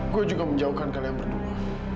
gue juga menjauhkan kalian berdua